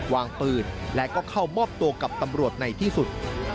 วางปืนและก็เข้ามอบตัวกับตำรวจในที่สุด